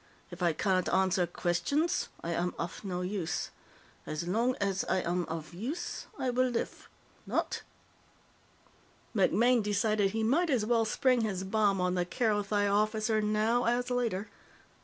If I cannot answerr questionss, I am uff no use. Ass lonk ass I am uff use, I will liff. Not?" MacMaine decided he might as well spring his bomb on the Kerothi officer now as later.